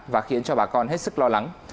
và khiến cho bà con hết sức lo lắng